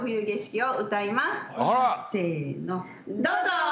どうぞ！